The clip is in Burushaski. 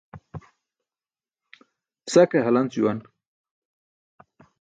Sa ke halanc juwn.